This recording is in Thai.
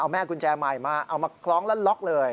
แม่กุญแจใหม่มาเอามาคล้องแล้วล็อกเลย